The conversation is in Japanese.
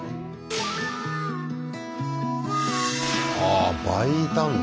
あ倍いたんだ。